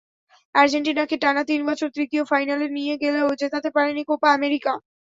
আর্জেন্টিনাকে টানা তিন বছরে তৃতীয় ফাইনালে নিয়ে গেলেও জেতাতে পারেননি কোপা আমেরিকা।